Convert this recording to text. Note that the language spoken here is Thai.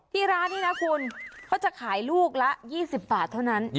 ที่ร้านนี้นะคุณเขาจะขายลูกละ๒๐บาทเท่านั้น